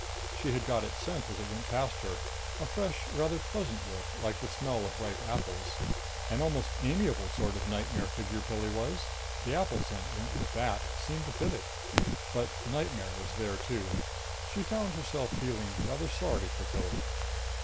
She had got its scent as it went past her, a fresh, rather pleasant whiff, like the smell of ripe apples. An almost amiable sort of nightmare figure, Pilli was; the apple smell went with that, seemed to fit it. But nightmare was there too. She found herself feeling rather sorry for Pilli.